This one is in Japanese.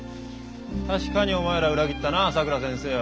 確かにお前らは裏切ったなさくら先生を。